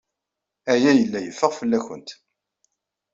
Aya yella yeffeɣ fell-awent.